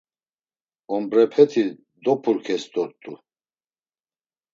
Ombrepeti dopurkes dort̆u.